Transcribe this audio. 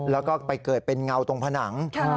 แล้วก็ไปเกิดเป็นเงาตรงผนัง